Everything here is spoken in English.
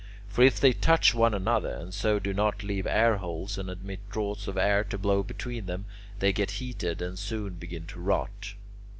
For if they touch one another, and so do not leave airholes and admit draughts of air to blow between them, they get heated and soon begin to rot.